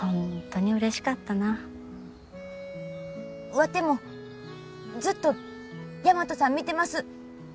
ワテもずっと大和さん見てます。